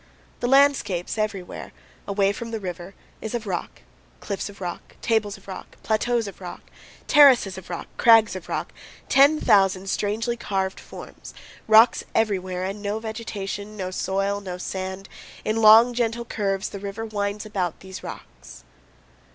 The landscape everywhere, away from the river, is of rock cliffs of rock, tables of rock, plateaus of rock, terraces of rock, crags of rock ten thousand strangely carved forms; rocks everywhere, and no vegetation, no soil, no sand. In long, gentle curves the river winds about these rocks.